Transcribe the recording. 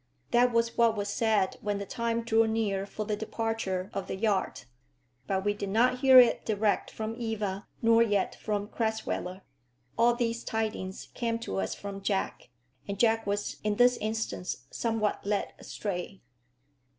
That was what was said when the time drew near for the departure of the yacht. But we did not hear it direct from Eva, nor yet from Crasweller. All these tidings came to us from Jack, and Jack was in this instance somewhat led astray.